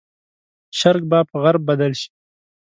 شرق به په غرب بدل شي.